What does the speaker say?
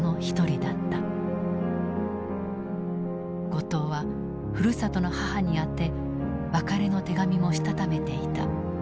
後藤はふるさとの母に宛て別れの手紙もしたためていた。